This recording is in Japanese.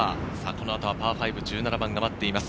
この後はパー５、１７番が待っています。